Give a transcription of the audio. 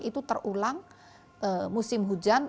itu terulang musim hujan